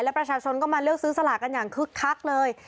และประชาชนก็มาเลือกซื้อสลากกันอย่างคึกคักเลย